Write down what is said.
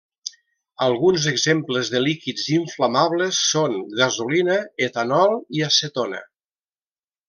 Alguns exemples de líquids inflamables són: gasolina, etanol i acetona.